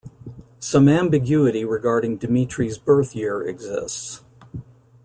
Some ambiguity regarding Dimitrie's birth-year exists.